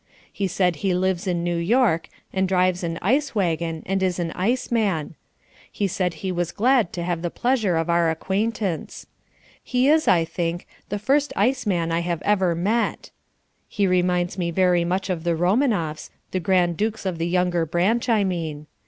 He said he lives in New York, and drives an ice wagon and is an ice man. He said he was glad to have the pleasure of our acquaintance. He is, I think, the first ice man I have ever met. He reminds me very much of the Romanoffs, the Grand Dukes of the younger branch, I mean.